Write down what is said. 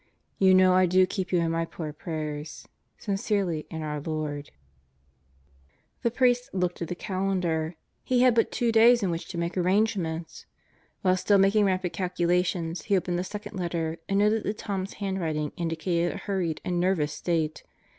You know I do keep you in my poor prayers. Sincerely in our Lord The priest looked at the calendar. He had but two days in which to make arrangements. While still making rapid calcula tions he opened the second letter and noted that Tom's hand writing indicated a hurried and nervous state.